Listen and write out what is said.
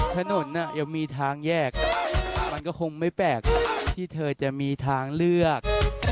ถนนยังมีทางแยกมันก็คงไม่แปลกที่เธอจะมีทางเลือก